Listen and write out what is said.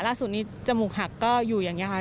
ล่าสุดนี้จมูกหักก็อยู่อย่างนี้ค่ะ